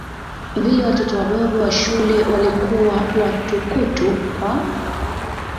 vile watoto wadogo wa shule waliokuwa watukutu kwa